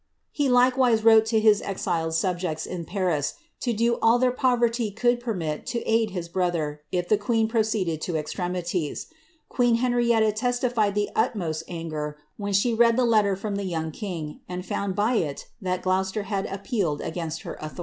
^ He likewise wrote to his exiled subjects in Paris, to do all their poverty could permit to aid his brother, if the queen procewled to extremities. Queen Henrietta testified the i;cmo5t anger when she read the letter from the young king, and found by It that Gloucester had appealed against her authority.